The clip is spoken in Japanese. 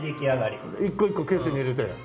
一個一個ケースに入れて。